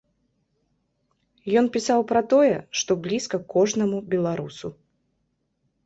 Ён пісаў пра тое, што блізка кожнаму беларусу.